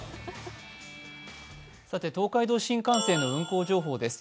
東海道新幹線の運行情報です。